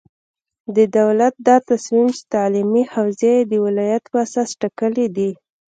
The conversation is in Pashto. د دولت دا تصمیم چې تعلیمي حوزې یې د ولایت په اساس ټاکلې دي،